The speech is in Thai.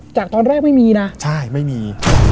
จากตอนแรกไม่มีนะใช่ไม่มี